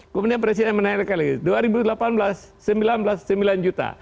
kemudian presiden menanyakan lagi dua ribu delapan belas sembilan belas sembilan juta